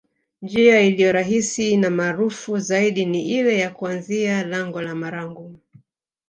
Njia iliyo rahisi na maarufu zaidi ni ile ya kuanzia lango la Marangu